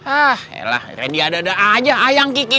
ah elah rendy ada ada aja ayang kiki